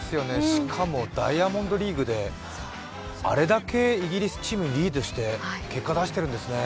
しかもダイヤモンドリーグであれだけイギリスチームにリードして結果、出してるんですね。